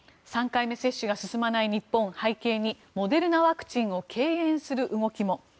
２３回目接種が進まない日本背景にモデルナワクチンを敬遠する動きも。